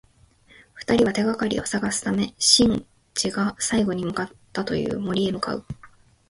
二人は、手がかりを探すためシンジが最後に向かったという森へ向かう。